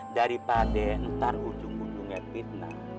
daripada ntar ujung ujungnya fitnah